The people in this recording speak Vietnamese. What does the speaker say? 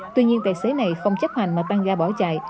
tuy nhiên tài xế này không chấp hành mà tăng ga bỏ chạy